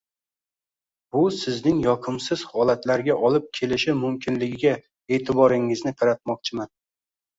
Bu sizning yoqimsiz holatlarga olib kelishi mumkinligiga e'tiboringizni qaratmoqchiman